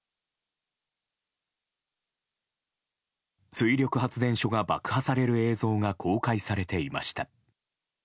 水力発電所が爆破される映像が公開されていました。